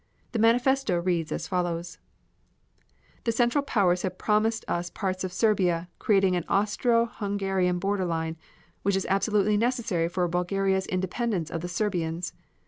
The manifesto reads as follows: The Central Powers have promised us parts of Serbia, creating an Austro Hungarian border line, which is absolutely necessary for Bulgaria's independence of the Serbians.